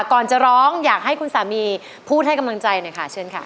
ก่อนจะร้องอยากให้คุณสามีพูดให้กำลังใจหน่อยค่ะเชิญค่ะ